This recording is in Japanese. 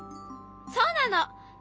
そうなの！